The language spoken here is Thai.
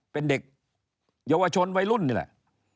เป็นเด็กเยาวชนวัยรุ่นนี่แหละ